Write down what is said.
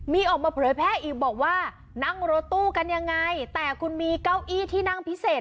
มีออกมาเผยแพร่อีกบอกว่านั่งรถตู้กันยังไงแต่คุณมีเก้าอี้ที่นั่งพิเศษ